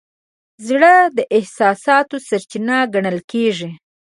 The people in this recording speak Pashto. زړه د احساساتو سرچینه ګڼل کېږي.